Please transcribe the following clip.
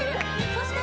そして？